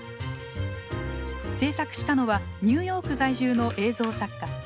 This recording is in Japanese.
制作したのはニューヨーク在住の映像作家